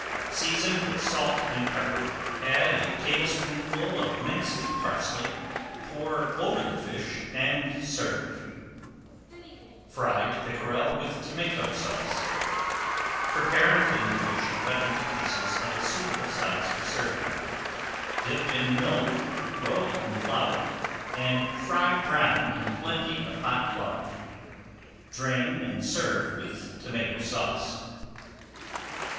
Season with salt and pepper, add a tablespoonful of minced parsley, pour over the fish and serve. [Page 242] FRIED PICKEREL WITH TOMATO SAUCE Prepare and clean the fish and cut into pieces of a suitable size for serving. Dip in milk, roll in flour, and fry brown in plenty of hot lard. Drain and serve with Tomato Sauce.